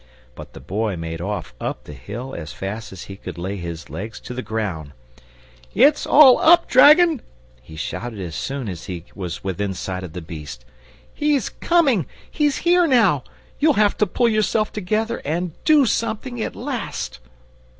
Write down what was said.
But the Boy made off up the hill as fast as he could lay his legs to the ground. "It's all up, dragon!" he shouted as soon as he was within sight of the beast. "He's coming! He's here now! You'll have to pull yourself together and DO something at last!"